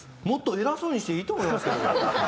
もっと偉そうにしていいと思いますけど。